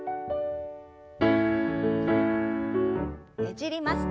ねじります。